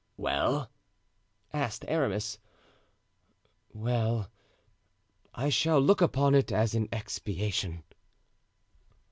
"Well?" asked Aramis. "Well, I shall look upon it as an expiation."